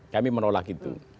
kami menolak itu